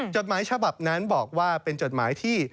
จดหมายฉบับนั้นบอกว่าเป็นจดหมายที่